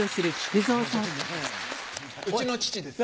うちの父です。